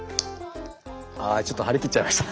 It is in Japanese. あちょっと張り切っちゃいました。